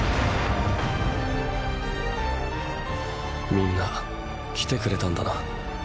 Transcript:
みんな来てくれたんだな。